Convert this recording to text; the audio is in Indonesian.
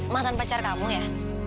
mah tanpa pacar kamu ya